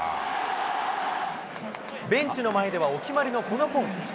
ベンチの前では、お決まりのこのポーズ。